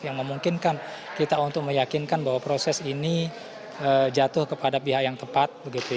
yang memungkinkan kita untuk meyakinkan bahwa proses ini jatuh kepada pihak yang tepat